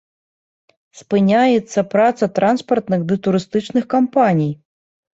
Спыняецца праца транспартных ды турыстычных кампаній.